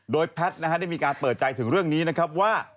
โดยแพทย์ได้มีการเปิดใจถึงเรื่องนี้นะครับว่า